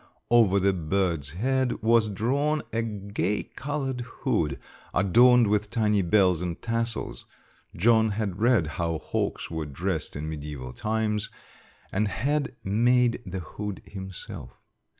Over the bird's head was drawn a gay colored hood adorned with tiny bells and tassels John had read how hawks were dressed in medieval times, and had made the hood himself.